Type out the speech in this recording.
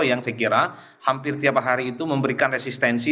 yang saya kira hampir tiap hari itu memberikan resistensi